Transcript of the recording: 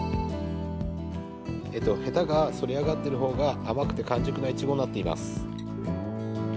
へたが反り上がっているほうが甘くて完熟のいちごになっています。